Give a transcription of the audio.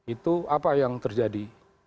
itu apa yang terjadi